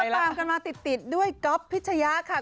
แล้วประมาณกันมาติดด้วยก๊อฟพิชยะค่ะ